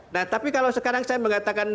nah tapi kalau sekarang saya mengatakan